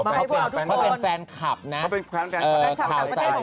ข้าวเต้นของเราขอบคุณค่ะ